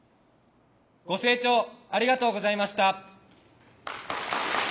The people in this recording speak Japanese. ご清聴ありがとうございました。